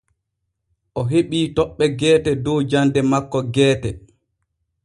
O heɓii toɓɓe geete dow jande makko geete.